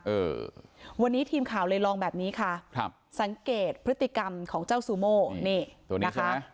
เออวันนี้ทีมข่าวเลยลองแบบนี้ค่ะครับสังเกตพฤติกรรมของเจ้าซูโมนี่ตัวนี้นะคะ